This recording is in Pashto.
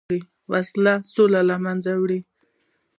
وسله سوله له منځه وړي